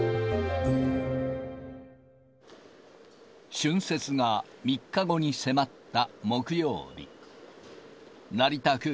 春節が３日後に迫った木曜日。